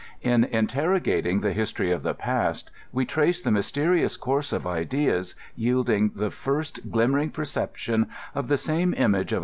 In interrogating the history of the past, we trace the mysterious course of ideas yielding the first glimmering perception of the same image of 24 COriMiJS.